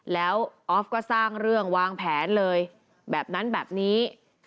แล้วออฟก็สร้างเรื่องวางแผนเลยแบบนั้นแบบนี้